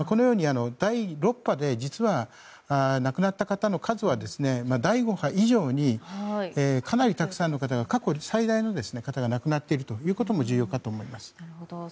第６波で実は亡くなった方の数は第５波以上にかなりたくさんの方が過去最大の方が亡くなっていることも重要かと思います。